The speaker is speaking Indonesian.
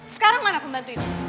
sekarang mana pembantu itu